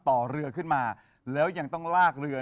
ต่อเรือขึ้นมาแล้วยังต้องลากเรือ